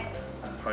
はい。